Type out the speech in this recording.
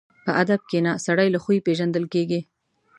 په ادب کښېنه، سړی له خوی پېژندل کېږي.